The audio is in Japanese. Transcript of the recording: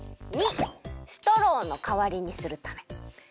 ②ストローのかわりにするため。